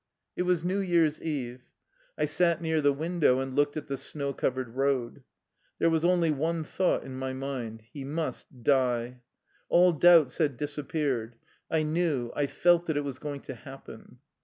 It was New Year's eve. I sat near the win dow and looked at the snow covered road. There was only one thought in my mind : he must die. All doubts had disappeared. I knew, I felt that it was going to happen.